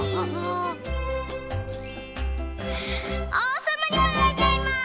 おうさまにもなれちゃいます！